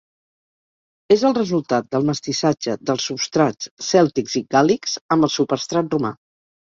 És el resultat del mestissatge dels substrats cèltics i gàl·lics amb el superstrat romà.